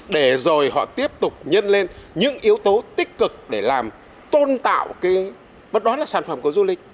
để rồi họ tiếp tục nhân lên những yếu tố tích cực để làm tôn tạo cái bất đoàn là sản phẩm của du lịch